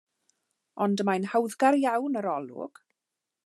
Ond y mae'n hawddgar iawn yr olwg.